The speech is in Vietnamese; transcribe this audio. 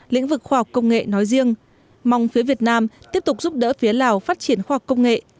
lĩnh vực khoa học công nghệ nói riêng mong phía việt nam tiếp tục giúp đỡ phía lào phát triển khoa học công nghệ